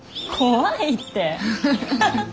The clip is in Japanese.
怖いって。